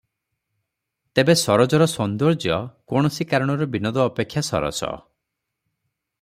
ତେବେ ସରୋଜର ସୌନ୍ଦର୍ଯ୍ୟ କୌଣସି କାରଣରୁ ବିନୋଦ ଅପେକ୍ଷା ସରସ ।